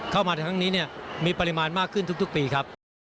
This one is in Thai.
เข้ามาทางนี้มีปริมาณมากขึ้นทุกปีครับ